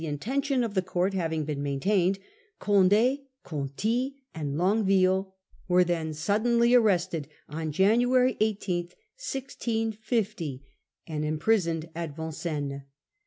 intention of the court having been maintained, Condd, Conti, and Longuevilie were then suddenly arrested on January 18, 1650, and imprisoned at Vin cennes.